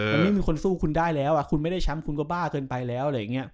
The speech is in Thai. มันไม่มีคนสู้คุณได้แล้วคุณไม่ได้แชมป์คุณก็บ้าเกินไปแล้ว